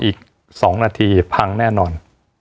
อีก๒นาทีพังแน่นอน